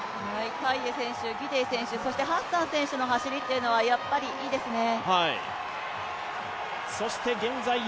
タイエ選手、ギデイ選手、ハッサン選手の走りというのはやっぱりいいですね。